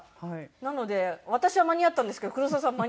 なので私は間に合ったんですけど黒沢さん間に合わずに。